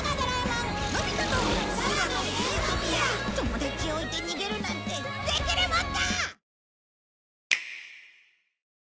友達を置いて逃げるなんてできるもんか！